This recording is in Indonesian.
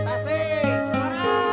cirebon tasik para